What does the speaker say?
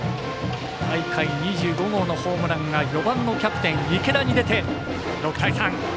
大会２５号のホームランが４番のキャプテン池田に出て６対３。